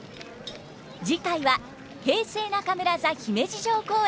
次回は平成中村座姫路城公演。